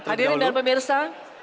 hadirin dan pemirsa